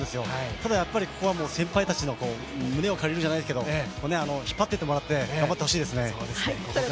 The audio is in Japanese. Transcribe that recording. ただここは先輩たちの胸を借りるじゃないですけど、引っ張ってってもらって頑張ってほしいですね。